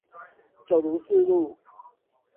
九如四路